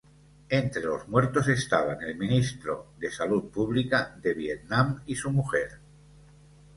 Entre los muertos estaban el Ministro de Salud Pública de Vietnam y su mujer.